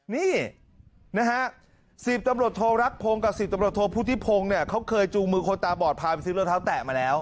นี่นะฮะ๑๐ตำรวจโทรรักพงศ์กับ๑๐ตำรวจโทษพุทธิพงศ์เนี่ยเขาเคยจูงมือคนตาบอดพาไปซื้อรองเท้าแตะมาแล้ว